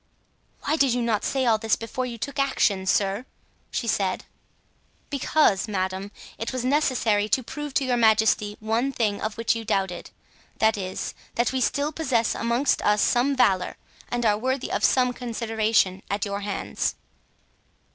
"Why did you not say all this before you took action, sir?" she said. "Because, madame, it was necessary to prove to your majesty one thing of which you doubted— that is, that we still possess amongst us some valor and are worthy of some consideration at your hands."